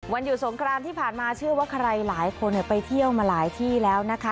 อยู่สงครานที่ผ่านมาเชื่อว่าใครหลายคนไปเที่ยวมาหลายที่แล้วนะคะ